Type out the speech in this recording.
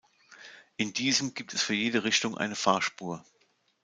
In diesem gibt es für jede Richtung eine Fahrspur.